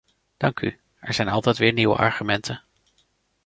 Dank u - er zijn altijd weer nieuwe argumenten.